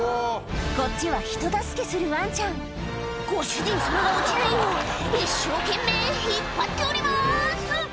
こっちは人助けするワンちゃんご主人様が落ちないよう一生懸命引っ張っております